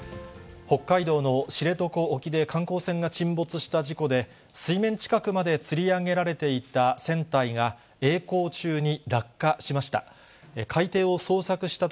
北海道の知床沖で観光船が沈没した事故で、水面近くまでつり上げられていた船体が、えい航中に落下しました。